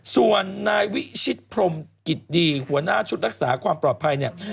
ส่วนนายวิชิตพรมกิจดีหัวหน้าชุดรักษาความปลอดภัยเนี่ย